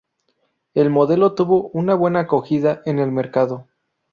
El modelo tuvo una buena acogida en el mercado.